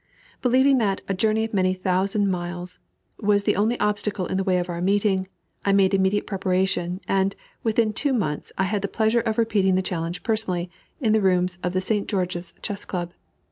Believing that "a journey of many thousand miles" was the only obstacle in the way of our meeting, I made immediate preparation, and, within two months, I had the pleasure of repeating the challenge personally in the rooms of the St. George's Chess Club.